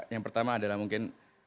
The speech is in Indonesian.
yang pertama adalah mungkin